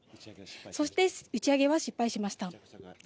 そして打ち上げは失敗しました。